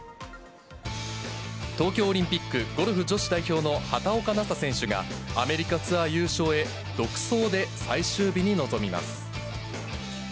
東京オリンピックゴルフ女子代表の畑岡奈紗選手が、アメリカツアー優勝へ、独走で最終日に臨みます。